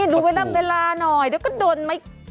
ดูเป็นเวลาหน่อยเดี๋ยวก็โดนไม่ตก